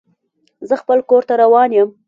زه خپل کور ته روان یم.